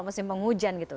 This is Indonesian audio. masih penghujan gitu